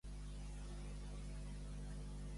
Al final, va tornar Diego ric?